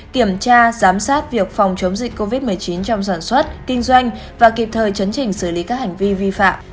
kiểm tra giám sát việc phòng chống dịch covid một mươi chín trong sản xuất kinh doanh và kịp thời chấn chỉnh xử lý các hành vi vi phạm